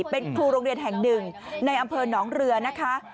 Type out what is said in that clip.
เป็นครูโรงเรียนแห่งหนึ่งในอำเภอหนองเรือนะคะ